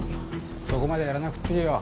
そこまでやらなくっていいよ。